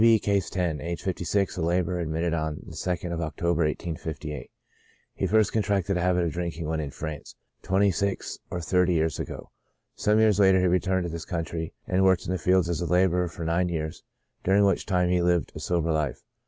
W. B —, (Case 10,) aged 56, a laborer; admitted on the 2nd of October; 1858. He first contracted the habit of drinking when in France, twenty six or thirty years ago. Some years later he returned to this country, and worked in the fields as a laborer for nine years, during which time he lived a sober life.